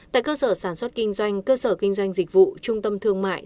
tại cơ sở sản xuất kinh doanh cơ sở kinh doanh dịch vụ trung tâm thương mại